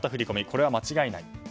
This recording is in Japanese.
これは間違いない。